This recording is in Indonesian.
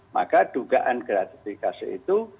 maka dugaan kreatifikasi itu